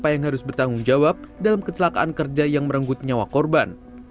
siapa yang harus bertanggung jawab dalam kecelakaan kerja yang merenggut nyawa korban